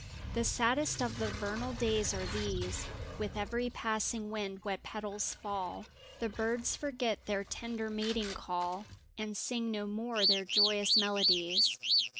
The saddest of the vernal days are these — With every passing wind wet petals fall, The birds forget their tender mating call And sing no more their joyous melodies.